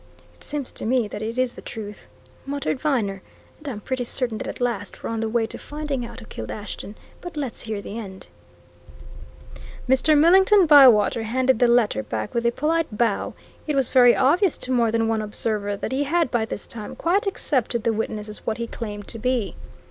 "It seems to me that it is the truth!" muttered Viner. "And I'm pretty certain that at last we're on the way to finding out who killed Ashton. But let's hear the end." Mr. Millington Bywater handed the letter back with a polite bow it was very obvious to more than one observer that he had by this time quite accepted the witness as what he claimed to be.